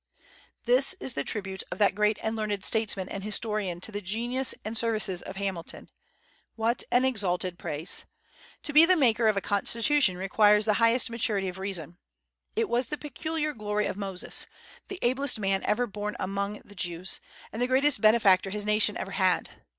This is the tribute of that great and learned statesman and historian to the genius and services of Hamilton. What an exalted praise! To be the maker of a constitution requires the highest maturity of reason. It was the peculiar glory of Moses, the ablest man ever born among the Jews, and the greatest benefactor his nation ever had.